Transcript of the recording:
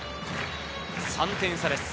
３点差です。